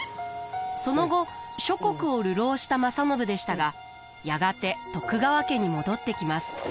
その後諸国を流浪した正信でしたがやがて徳川家に戻ってきます。